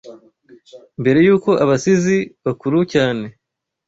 Mbere y’uko abasizi bakuru cyane